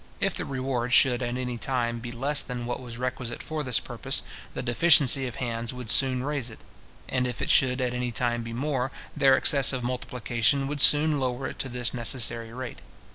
If the reward should at any time be less than what was requisite for this purpose, the deficiency of hands would soon raise it; and if it should at any time be more, their excessive multiplication would soon lower it to this necessary rate.